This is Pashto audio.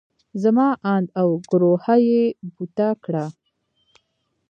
زما اند او ګروهه يې بوته کړه.